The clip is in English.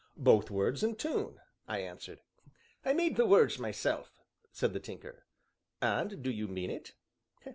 "Both words and tune," I answered. "I made the words myself," said the Tinker. "And do you mean it?"